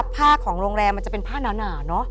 ผ้าของโรงแรมมันจะเป็นผ้าหนาเนอะ